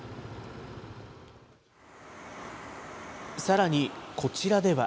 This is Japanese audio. さらに、こちらでは。